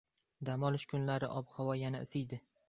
Dam olish kunlari ob-havo yana isiydi